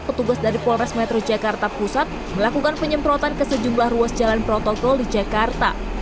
petugas dari polres metro jakarta pusat melakukan penyemprotan ke sejumlah ruas jalan protokol di jakarta